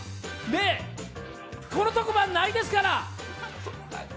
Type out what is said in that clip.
この特番ないですから。